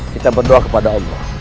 kita berdoa kepada allah